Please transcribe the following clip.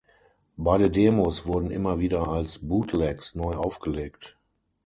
Beide Demos wurden immer wieder als Bootlegs neu aufgelegt.